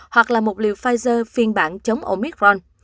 hoặc là một liều pfizer phiên bản chống omicron